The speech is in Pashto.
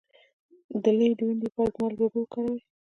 د لۍ د وینې لپاره د مالګې اوبه وکاروئ